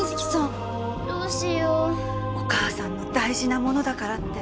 お母さんの大事なものだからって。